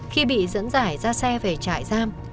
khi bị dẫn giải ra xe về trại giam